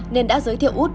nên đã giới thiệu úc